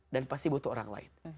dan pasti butuh orang lain